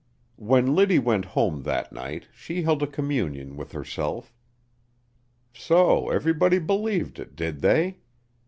When Liddy went home that night she held a communion with herself. So everybody believed it, did they?